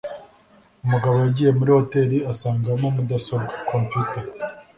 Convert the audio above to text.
umugabo yagiye muri hoteri asangamo mudasobwa (computer)